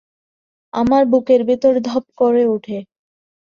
আমার বুকের ভেতর ধক করে উঠে।